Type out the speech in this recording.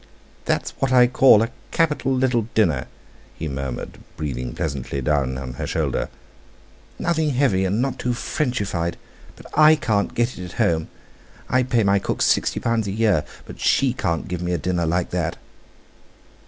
"That's what I call a capital little dinner," he murmured, breathing pleasantly down on her shoulder; "nothing heavy—and not too Frenchified. But I can't get it at home. I pay my cook sixty pounds a year, but she can't give me a dinner like that!"